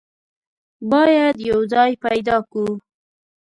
بايد يو ځای پيدا کو.